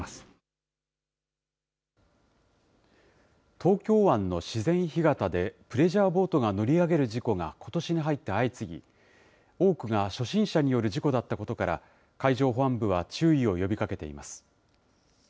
東京湾の自然干潟で、プレジャーボートが乗り上げる事故がことしに入って相次ぎ、多くが初心者による事故だったことから、海上保安部は注意を呼びかけています。